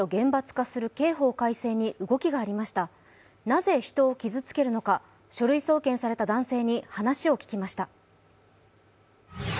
なぜ、人を傷つけるのか、書類送検された男性に話を聞きました。